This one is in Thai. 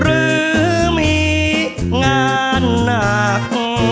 หรือมีงานหนัก